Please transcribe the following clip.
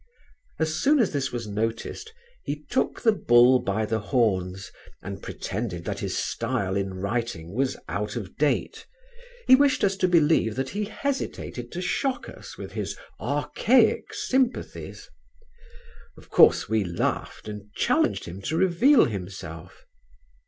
As soon as this was noticed he took the bull by the horns and pretended that his style in writing was out of date; he wished us to believe that he hesitated to shock us with his "archaic sympathies." Of course we laughed and challenged him to reveal himself.